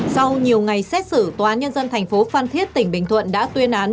sau nhiều ngày xét xử tòa nhân dân tp phan thiết tỉnh bình thuận đã tuyên án